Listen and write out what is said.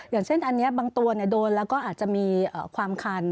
อย่างเช่นอันนี้บางตัวโดนแล้วก็อาจจะมีความคัน